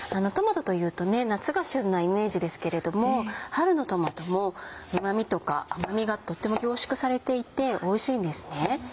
トマトというとね夏が旬なイメージですけれども春のトマトもうま味とか甘味がとっても凝縮されていておいしいんですね。